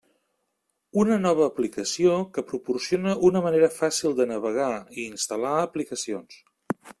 Una nova aplicació que proporciona una manera fàcil de navegar i instal·lar aplicacions.